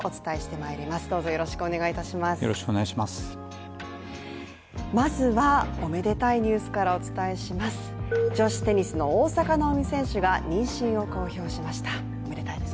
まずはおめでたいニュースからお伝えします。